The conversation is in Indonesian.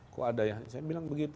kok ada yang saya bilang begitu